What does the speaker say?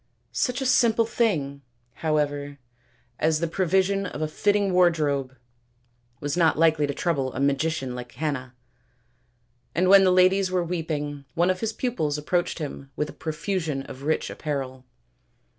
Such a simple thing, however, as the provision of a fitting wardrobe was not likely to trouble a magician like Canna, and when the ladies were weeping one of his pupils approached them with a profusion of rich apparel.